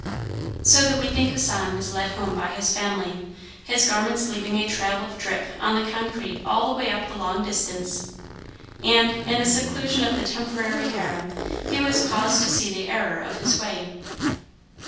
So the weeping Hassan was led home by his family, his garments leaving a trail of drip on the concrete all the way up the long distance; and in the seclusion of the temporary harem he was caused to see the error of his way.